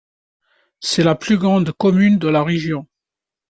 C'est la plus grande commune de la région.